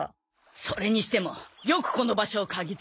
それにしてもよくこの場所を嗅ぎつけたな。